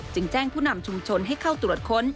แจ้งผู้นำชุมชนให้เข้าตรวจค้น